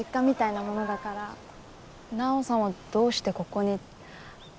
奈央さんはどうしてここに。